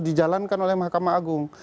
dijalankan oleh makam agung